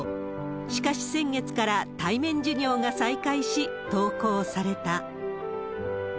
しかし、先月から対面授業が再開し、登校された。